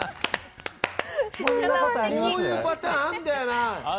こういうパターンあるんだよな。